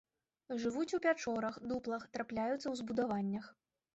Жывуць у пячорах, дуплах, трапляюцца ў збудаваннях.